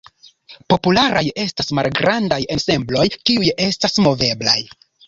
Popularaj estas malgrandaj ensembloj, kiuj estas moveblaj.